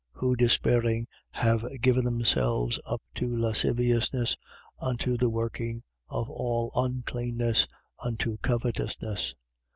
4:19. Who despairing have given themselves up to lasciviousness, unto the working of all uncleanness, unto covetousness.